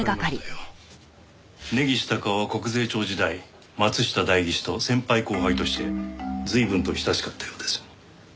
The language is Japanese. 根岸隆雄は国税庁時代松下代議士と先輩後輩として随分と親しかったようです。